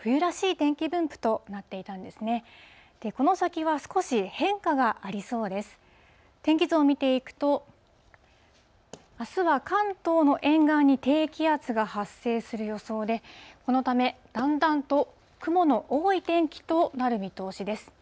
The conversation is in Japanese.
天気図を見ていくと、あすは関東の沿岸に低気圧が発生する予想で、このため、だんだんと雲の多い天気となる見通しです。